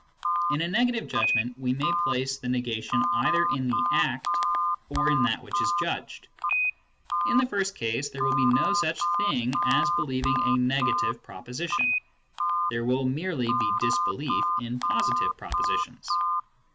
In a negative judgment, we may place the negation either in the act, or in that which is judged. In the first case, there will be no such thing as believing a negative proposition ; there will merely be disbelief in positive propositions.